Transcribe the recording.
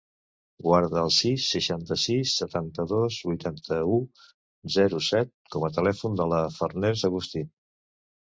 Guarda el sis, seixanta-sis, setanta-dos, vuitanta-u, zero, set com a telèfon de la Farners Agustin.